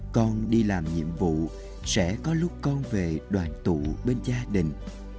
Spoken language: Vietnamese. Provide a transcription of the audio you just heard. con đi làm nhiệm vụ sẽ có lúc con về đoàn tụ bên gia đình